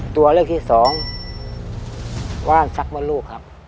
ตัวเลือกที่สองว่านซักมดลูกครับ